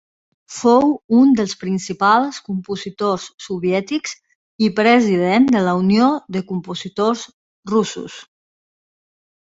Fou un dels principals compositors soviètics i president de la Unió de Compositors Russos.